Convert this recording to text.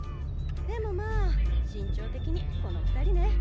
でもまあ身長的にこの二人ね。